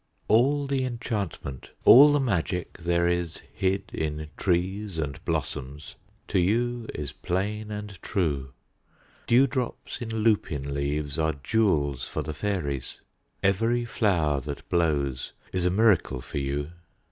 All the enchantment, all the magic there is Hid in trees and blossoms, to you is plain and true. Dewdrops in lupin leaves are jewels for the fairies; Every flower that blows is a miracle for you.